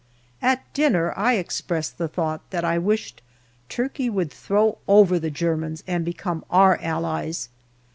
At dinner I express the thought that I wished Turkey would throw over the Germans and become our allies.